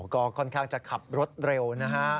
ก็ค่อนข้างจะขับรถเร็วนะฮะ